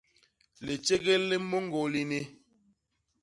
Litjégél li môñgô lini.